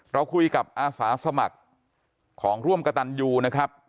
เราคุยกับอาสาสมัครของร่วมกระตันยูนะครับ